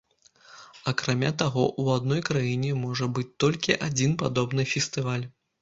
Акрамя таго, у адной краіне можа быць толькі адзін падобны фестываль.